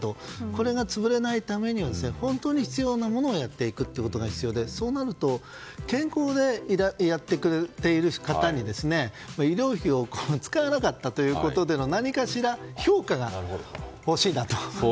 これが潰れないためには、本当に必要なものをやっていくことが必要で、そうなると健康でいてくれている方に医療費を使わなかったということでの何かしら、評価が欲しいなと。